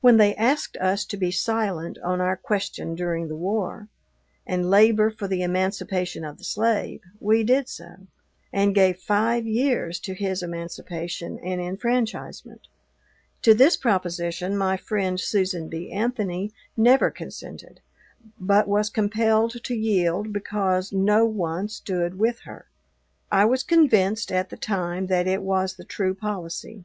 When they asked us to be silent on our question during the War, and labor for the emancipation of the slave, we did so, and gave five years to his emancipation and enfranchisement. To this proposition my friend, Susan B. Anthony, never consented, but was compelled to yield because no one stood with her. I was convinced, at the time, that it was the true policy.